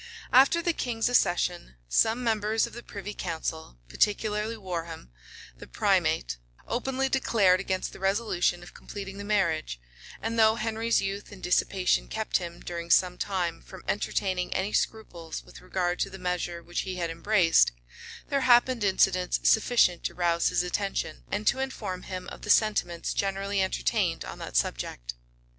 After the king's accession, some members of the privy council, particularly Warham, the primate, openly declared against the resolution of completing the marriage; and though Henry's youth and dissipation kept him, during some time, from entertaining any scruples with regard to the measure which he had embraced, there happened incidents sufficient to rouse his attention, and to inform him of the sentiments generally entertained on that subject.